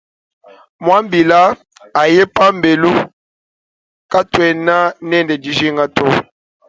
Muambila aye pambelu katuena nende dijinga to.